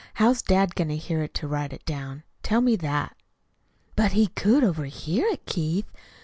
How's dad going to hear it to write it down? Tell me that?" "But he could overhear it, Keith.